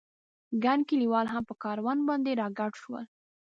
ګڼ کلیوال هم په کاروان باندې را ګډ شول.